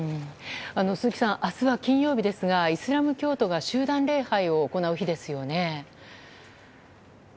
鈴木さん、明日は金曜日ですがイスラム教徒が集団礼拝を行う日ですよね。